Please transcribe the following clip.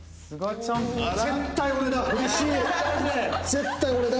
絶対俺だ！